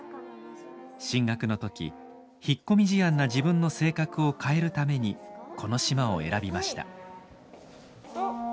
進学の時引っ込み思案な自分の性格を変えるためにこの島を選びました。